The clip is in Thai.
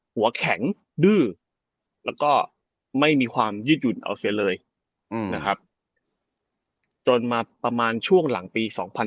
หัวแข็งดื้อแล้วก็ไม่มีความยืดหยุ่นเอาเสียเลยนะครับจนมาประมาณช่วงหลังปี๒๕๕๙